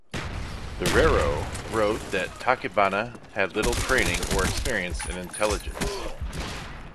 Loureiro wrote that "Tachibana had little training or experience in intelligence".